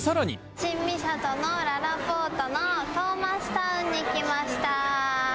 新三郷のららぽーとのトーマスタウンに来ました。